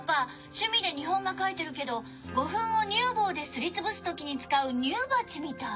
趣味で日本画描いてるけど胡粉を乳棒ですりつぶす時に使う乳鉢みたい。